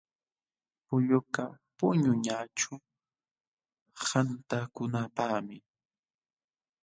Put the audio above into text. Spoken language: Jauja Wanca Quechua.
Pullukaq puñunaćhu qatakunapaqmi.